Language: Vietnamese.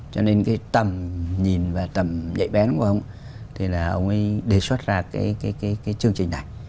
cho nên cái tầm nhìn và tầm nhạy bén của ông thì là ông ấy đề xuất ra cái chương trình này